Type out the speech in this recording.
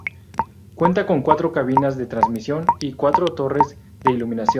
Cuenta con cuatro cabinas de transmisión y cuatro torres de iluminación.